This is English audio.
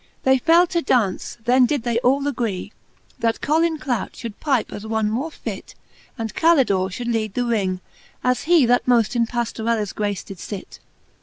They fell to daunce : then did they all agree, That Colin Clout fhould pipe, as one moft fit ; And Calidore fhould lead the ring, as hee. That moft in Pajlorellaes grace did fit.